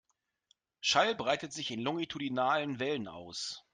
Schall breitet sich in longitudinalen Wellen aus.